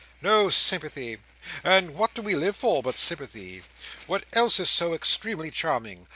"No sympathy. And what do we live for but sympathy! What else is so extremely charming!